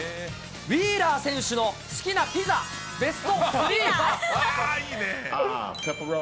ウィーラー選手の好きなピザベスト３は。